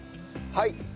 はい。